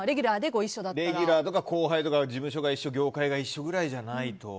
レギュラーとか事務所が一緒、業界が一緒ぐらいじゃないと。